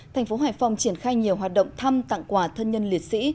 tp hcm triển khai nhiều hoạt động thăm tặng quà thân nhân liệt sĩ